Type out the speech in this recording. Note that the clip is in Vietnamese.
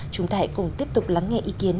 chúng ta hãy cùng tiếp tục lắng nghe ý kiến